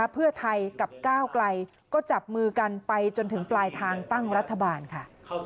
เพื่อไทยกับก้าวไกลก็จับมือกันไปจนถึงปลายทางตั้งรัฐบาลค่ะ